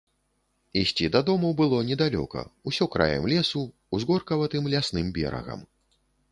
Ісці дадому было недалёка, усё краем лесу, узгоркаватым лясным берагам.